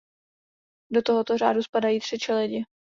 Do tohoto řádu spadají tři čeledi.